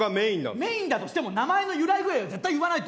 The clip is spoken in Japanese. メインだとしても名前の由来ぐらいは絶対言わないと。